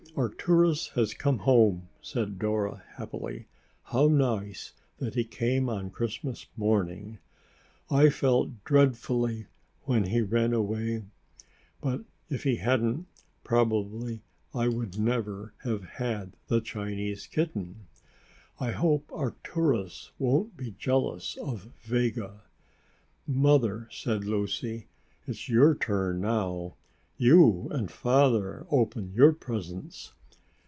"Arcturus has come home!" said Dora happily. "How nice that he came on Christmas morning. I felt dreadfully when he ran away, but if he hadn't, probably I would never have had the Chinese kitten. I hope Arcturus won't be jealous of Vega." "Mother," said Lucy, "it's your turn now. You and Father open your presents."